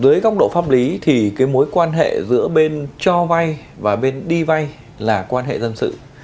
dưới góc độ pháp lý thì mối quan hệ giữa bên cho vay và bên đi vay là quan hệ dân sự